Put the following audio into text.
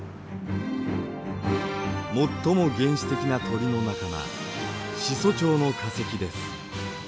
最も原始的な鳥の仲間始祖鳥の化石です。